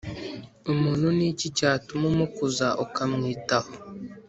“umuntu ni iki cyatuma umukuza, ukamwitaho